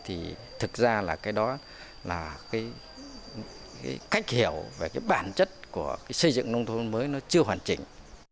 thì thực ra là cái đó là cái cách hiểu về cái bản chất của cái xây dựng nông thôn mới nó chưa hoàn chỉnh